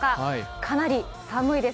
かなり寒いです。